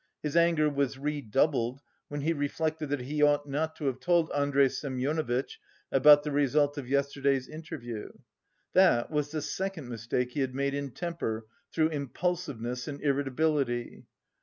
His anger was redoubled when he reflected that he ought not to have told Andrey Semyonovitch about the result of yesterday's interview. That was the second mistake he had made in temper, through impulsiveness and irritability....